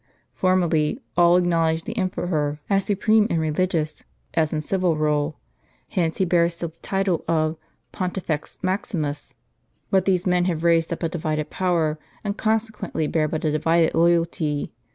Formerly, all acknowledged the emperor as supreme in religious, as in civil, rule. Hence he bears still the title of Pontifex Maxinms. But these men have raised up a divided power, and consequently bear but a divided loyalty.